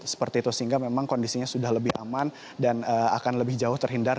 seperti itu sehingga memang kondisinya sudah lebih aman dan akan lebih jauh terhindar